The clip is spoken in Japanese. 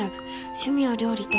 趣味は料理と。